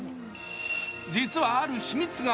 実は、ある秘密が。